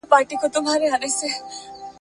سالم ماشومان سالم فکر لري.